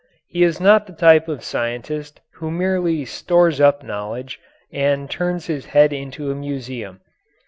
He is not the type of scientist who merely stores up knowledge and turns his head into a museum.